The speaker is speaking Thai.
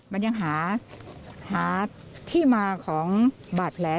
มันยังหาที่มาของบาดแผล